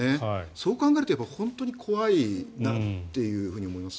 そう考えると本当に怖いなと思います。